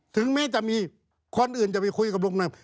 ถึงไม่จะมีคนอื่นจะไปคุยกับรุงกำนัน